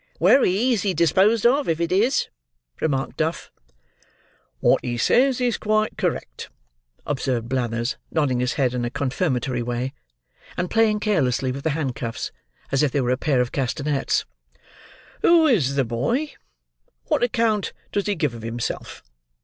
"Wery easy disposed of, if it is," remarked Duff. "What he says is quite correct," observed Blathers, nodding his head in a confirmatory way, and playing carelessly with the handcuffs, as if they were a pair of castanets. "Who is the boy? What account does he give of himself?